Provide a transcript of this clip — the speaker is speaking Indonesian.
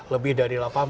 lebih dari delapan belas